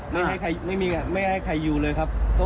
ไม่ให้ใครอยู่เลยครับ